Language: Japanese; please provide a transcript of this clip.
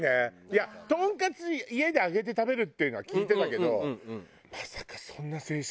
いやトンカツ家で揚げて食べるっていうのは聞いてたけどまさかそんな精神状態の時に。